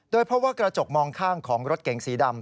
เพราะว่ากระจกมองข้างของรถเก๋งสีดำ